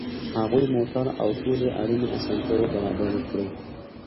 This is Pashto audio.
هغوی موټر او ټولې اړینې اسانتیاوې برابرې کړې